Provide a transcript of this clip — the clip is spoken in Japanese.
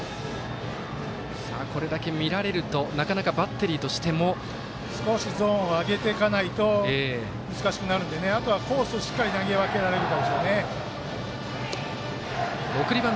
これだけ見られると、なかなかバッテリーとしても。少しゾーンを上げていかないと難しくなるのであとはコースをしっかりと投げ分けられるかでしょうね。